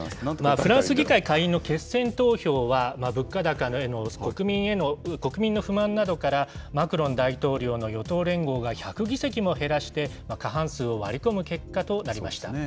フランス議会下院の決選投票は、物価高の国民への不安などから、マクロン大統領の与党連合が１００議席も減らして、過半数を割り込む結果となりました。